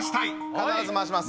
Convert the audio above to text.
必ず回します。